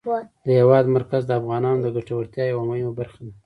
د هېواد مرکز د افغانانو د ګټورتیا یوه مهمه برخه ده.